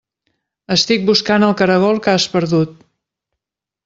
Estic buscant el caragol que has perdut.